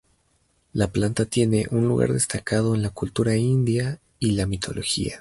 La planta tiene un lugar destacado en la cultura india y la mitología.